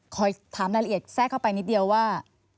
ขอถามรายละเอียดแทรกเข้าไปนิดเดียวว่า